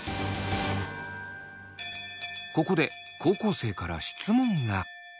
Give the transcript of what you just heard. ここで高校生から質問が。